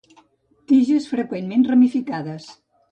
Tiges freqüentment ramificades.